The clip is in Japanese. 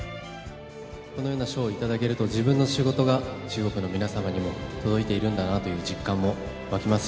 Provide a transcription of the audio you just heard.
このような賞を頂けると、自分の仕事が中国の皆様にも届いているんだなという実感も湧きま